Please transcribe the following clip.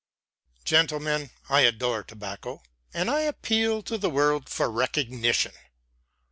Gentlemen, I adore tobacco, and I appeal to the world for recognition.